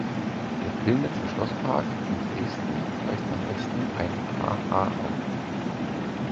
Der Pillnitzer Schlosspark in Dresden weist nach Westen ein Ha-Ha auf.